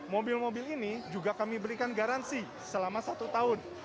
mobil mobil ini juga kami berikan garansi selama satu tahun